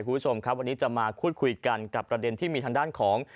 คุณผู้ชมครับวันนี้จะมาพูดคุยกันกับประเด็นที่มีทางด้านของ